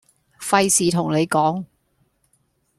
費事同你講